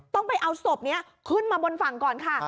ต้องไปเอาศพนี้ขึ้นมาบนฝั่งก่อนค่ะ